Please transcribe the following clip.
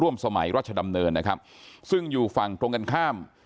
สมัยราชดำเนินนะครับซึ่งอยู่ฝั่งตรงกันข้าม